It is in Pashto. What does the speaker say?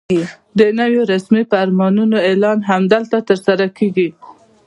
د نویو رسمي فرمانونو اعلان هم دلته ترسره کېږي.